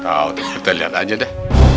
tau kita liat aja dah